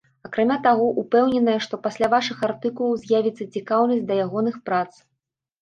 Акрамя таго, упэўненая, што пасля вашых артыкулаў з'явіцца цікаўнасць да ягоных прац.